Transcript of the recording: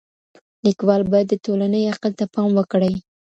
ليکوال بايد د ټولني عقل ته پام وکړي.